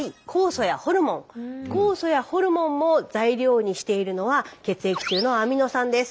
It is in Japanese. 酵素やホルモンも材料にしているのは血液中のアミノ酸です。